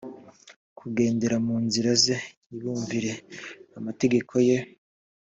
kugendera mu nzira ze ntibumvire amategeko ye